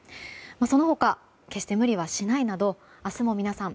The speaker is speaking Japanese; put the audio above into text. その他、決して無理はしないなど明日も皆さん